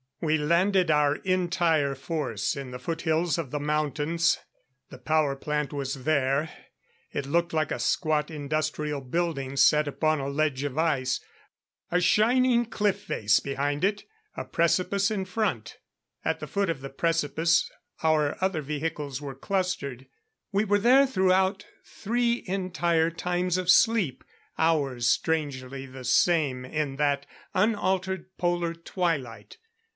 We landed our entire force in the foothills of the mountains. The power plant was there; it looked like a squat industrial building set upon a ledge of ice a shining cliff face behind it, a precipice in front. At the foot of the precipice our other vehicles were clustered. We were there throughout three entire times of sleep, hours strangely the same in that unaltered polar twilight.